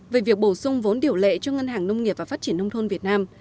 về việc bổ sung vốn điều lệ cho ngân hàng nông nghiệp và phát triển nông thôn việt nam